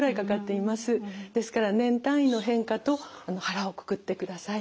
ですから年単位の変化と腹をくくってください。